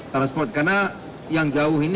transport karena yang jauh ini